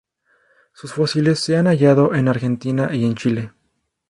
Sus fósiles se han hallado en en Argentina y Chile.